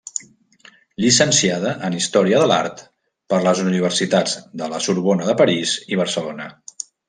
Llicenciada en Història de l'Art per les Universitats de la Sorbona de París i Barcelona.